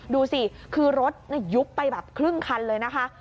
ดูสิคือรถยุบไปแบบครึ่งคันเลยนะคะ